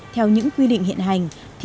theo những quy định hiện hành